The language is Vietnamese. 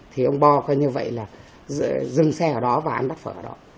thì ông bò coi như vậy là dừng xe ở đó và ăn bát phở ở đó